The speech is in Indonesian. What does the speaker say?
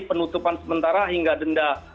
penutupan sementara hingga denda